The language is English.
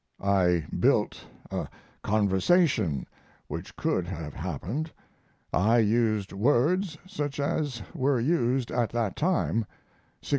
I built a conversation which could have happened I used words such as were used at that time 1601.